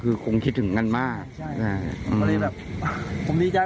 คือคงคิดถึงกันมากใช่อ่าผมก็เลยแบบผมดีใจ